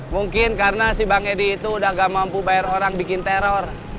mungkin karena si bang edi itu udah gak mampu bayar orang bikin teror